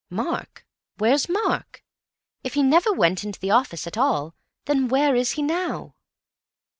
"Mark. Where's Mark? If he never went into the office at all, then where is he now?"